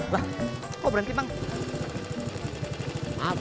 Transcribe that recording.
pur saya sudah beli parfum nih